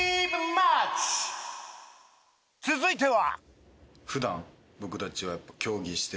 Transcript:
続いては。